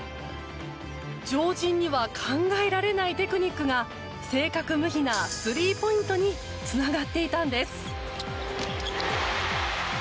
常人には考えられないテクニックが正確無比なスリーポイントにつながっていたんです。